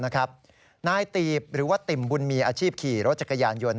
นายตีบหรือว่าติ่มบุญมีอาชีพขี่รถจักรยานยนต์